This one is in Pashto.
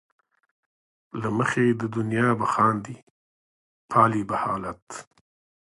له مخې د دنیا به خاندې ،پالې به حالات